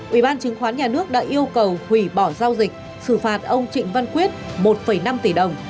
ủy ban chứng khoán nhà nước đã yêu cầu hủy bỏ giao dịch xử phạt ông trịnh văn quyết một năm tỷ đồng